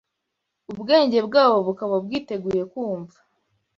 ubwenge bwabo bukaba bwiteguye kumva